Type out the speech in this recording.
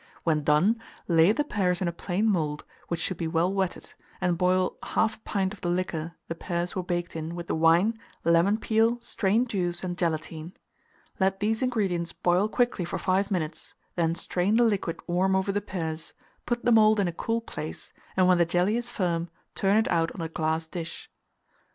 When done, lay the pears in a plain mould, which should be well wetted, and boil 1/2 pint of the liquor the pears were baked in with the wine, lemon peel, strained juice, and gelatine. Let these ingredients boil quickly for 5 minutes, then strain the liquid warm over the pears; put the mould in a cool place, and when the jelly is firm, turn it out on a glass dish.